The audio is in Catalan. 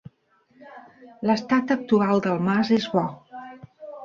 L’estat actual del mas és bo.